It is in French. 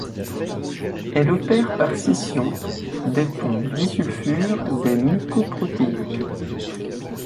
Elle opère par scission des ponts disulfures des mucoprotéines.